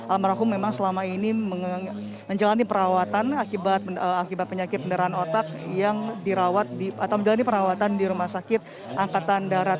almarhum memang selama ini menjalani perawatan akibat penyakit kendaraan otak yang dirawat atau menjalani perawatan di rumah sakit angkatan darat